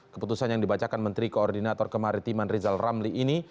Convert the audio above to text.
keputusan yang dibacakan menteri koordinator kemaritiman rizal ramli ini